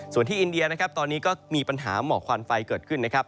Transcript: ส่วนที่อินเดียนะครับตอนนี้ก็มีปัญหาหมอกควันไฟเกิดขึ้นนะครับ